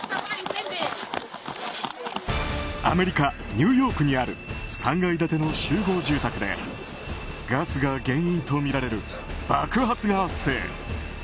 アメリカ・ニューヨークにある３階建ての集合住宅でガスが原因とみられる爆発が発生。